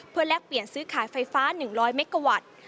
เพื่อแลกเปลี่ยนซื้อขายไฟฟ้า๑๐๐เมกาวัตต์